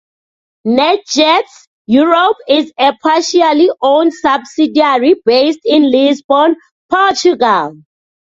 NetJets Europe is a partially owned subsidiary based in Lisbon, Portugal.